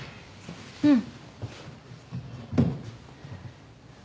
うん。